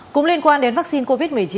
cũng liên quan đến vaccine covid một mươi chín